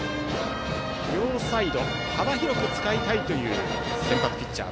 両サイドを幅広く使いたいという先発ピッチャー